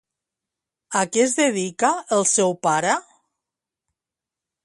A què es dedica el seu pare?